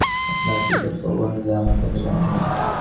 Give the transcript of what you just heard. আপনার পিতৃব্য ও বন্ধুদের আমার কথা জানাবেন।